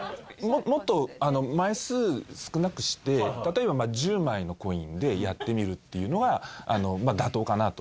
もっと枚数少なくして例えば１０枚のコインでやってみるっていうのがまあ妥当かなと。